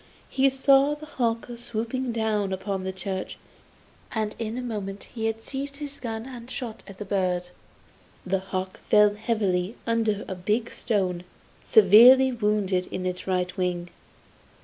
He saw the hawk swooping down upon the church, and in a moment he had seized his gun and shot at the bird. The hawk fell heavily under a big stone, severely wounded in its right wing.